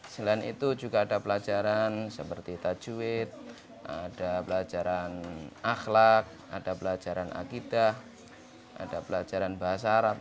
selain itu juga ada pelajaran seperti tajwid ada pelajaran akhlak ada pelajaran akidah ada pelajaran bahasa arab